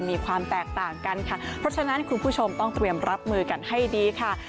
มีความแตกต่างกันค่ะเพราะฉะนั้นคุณผู้ชมต้องเตรียมรับมือกันให้ดีค่ะ